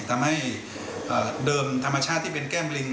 ทำให้เดิมธรรมชาติที่เป็นแก้มลิง